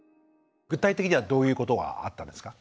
具体的にはどういうことがあったんですか？